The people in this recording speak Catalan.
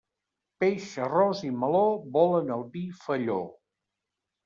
Peix, arròs i meló volen el vi felló.